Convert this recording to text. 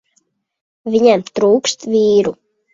Viņiem trūkst vīru.